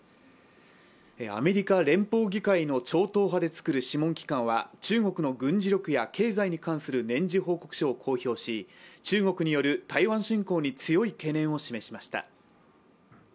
アメリカ連邦議会の超党派でつくる諮問機関は中国の軍事力や経済に関する年次報告書を公表し中国による台湾侵攻に強い懸念を示しました。